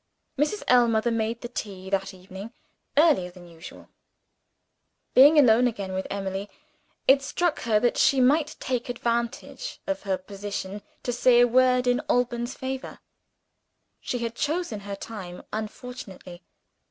Mrs. Ellmother made the tea, that evening, earlier than usual. Being alone again with Emily, it struck her that she might take advantage of her position to say a word in Alban's favor. She had chosen her time unfortunately.